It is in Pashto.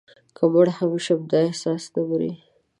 که مړي هم شي، دا احساس نه مري»